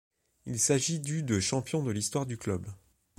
Il s'agit du de champion de l'histoire du club.